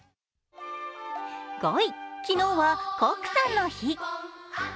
５位、昨日はコックさんの日。